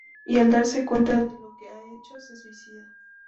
Y al darse cuenta de lo que ha hecho, se suicida.